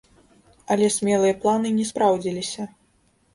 Але смелыя планы не спраўдзіліся.